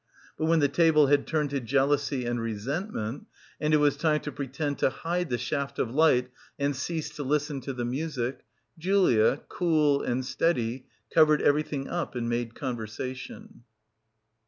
But when the table had turned to jealousy and resentment and it was time to pretend to hide the shaft of light and cease to listen to the music, Julia, cool and steady, covered every thing up and made conversation.